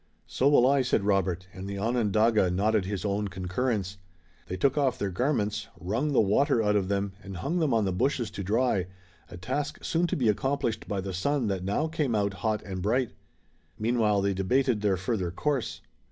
"So will I," said Robert, and the Onondaga nodded his own concurrence. They took off their garments, wrung the water out of them and hung them on the bushes to dry, a task soon to be accomplished by the sun that now came out hot and bright. Meanwhile they debated their further course.